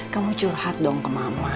kamu curhat dong ke mama